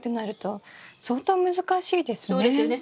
そうですよね。